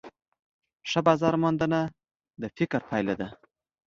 ښه بازارموندنه د فکر پایله ده.